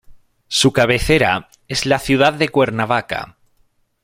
Su cabecera es la ciudad de Cuernavaca.